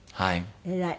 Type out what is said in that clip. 偉い。